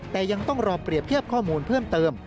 แต่ยังต้องรอเปรียบเทียบข้อมูลเพิ่มเติม